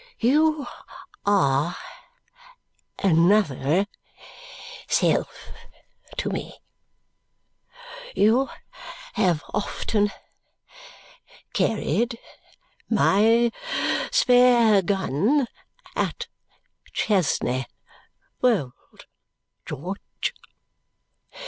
You are another self to me. You have often carried my spare gun at Chesney Wold, George.